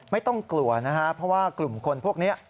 ไม่ต้องกลัวนะฮะเพราะว่ากลุ่มคนพวกนี้